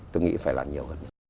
tôi nghĩ phải làm nhiều hơn